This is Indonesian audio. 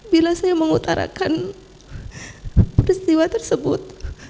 bila saya mengutarakan peristiwa tersebut